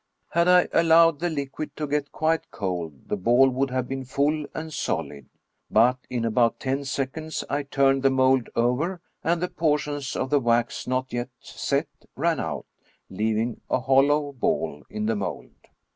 Had I allowed the liquid to get quite cold, the ball would have been full and solid ; but in about ten seconds I turned the mold over, and the portions of the wax not yet set ran out, leaving a hollow ball in the mold.